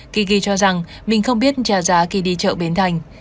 tigi cho rằng mình không biết trả giá khi đi chợ bến thành